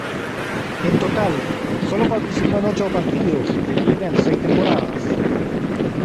En total, sólo participó en ocho partidos de liga en seis temporadas.